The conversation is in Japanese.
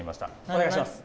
お願いします。